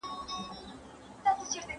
¬ برج دي تر اسمانه رسېږي، سپي دي د لوږي مري.